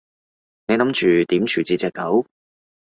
你諗住點處置隻狗？